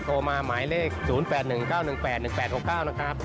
โทรมาหมายเลข๐๘๑๙๑๘๑๘๖๙นะครับ